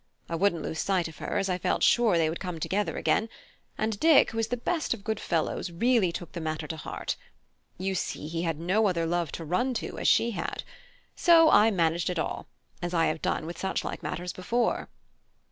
I wouldn't lose sight of her, as I felt sure they would come together again: and Dick, who is the best of good fellows, really took the matter to heart. You see, he had no other love to run to, as she had. So I managed it all; as I have done with such like matters before."